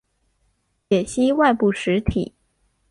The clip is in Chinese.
解析外部实体。